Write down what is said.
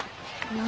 何？